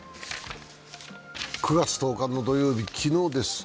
９月１０日の土曜日、昨日です。